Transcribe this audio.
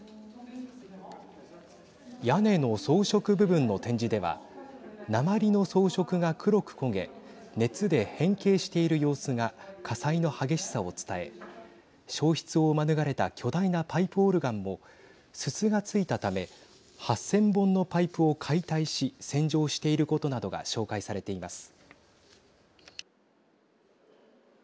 屋根の装飾部分の展示では鉛の装飾が黒く焦げ熱で変形している様子が火災の激しさを伝え焼失を免れた巨大なパイプオルガンもすすがついたため８０００本のパイプを解体し洗浄していることなどが紹介されています。